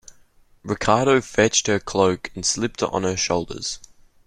Ricardo fetched her cloak and slipped it on her shoulders.